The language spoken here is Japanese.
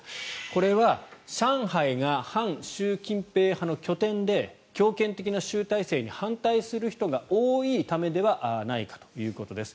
これは上海が反習近平派の拠点で強権的な習体制に反対する人が多いためではないかということです。